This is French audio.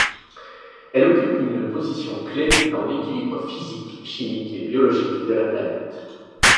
Elle occupe une position-clef dans l'équilibre physique, chimique et biologique de la planète.